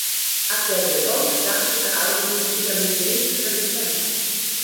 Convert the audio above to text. Ab der Saison startete Arden wieder mit britischer Lizenz.